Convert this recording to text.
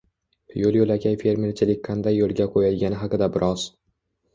Yo‘l-yo‘lakay fermerchilik qanday yo‘lga qo‘yilgani haqida biroz.